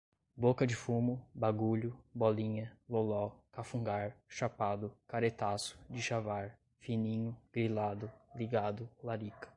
boca de fumo, bagulho, bolinha, loló, cafungar, chapado, caretaço, dichavar, fininho, grilado, ligado, larica